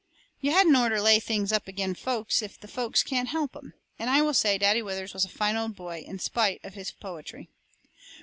You hadn't orter lay things up agin folks if the folks can't help 'em. And I will say Daddy Withers was a fine old boy in spite of his poetry.